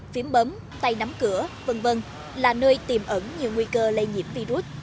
phím bấm tay nắm cửa v v là nơi tiềm ẩn nhiều nguy cơ lây nhiễm virus